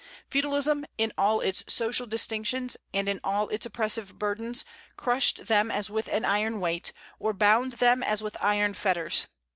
Feudalism, in all its social distinctions, and in all its oppressive burdens, crushed them as with an iron weight, or bound them as with iron fetters.